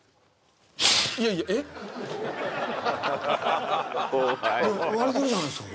いやいやえっ割れてるじゃないですか